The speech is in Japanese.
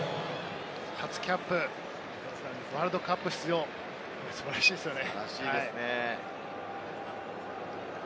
初キャップ、ワールドカップ出場、素晴らしいですよね。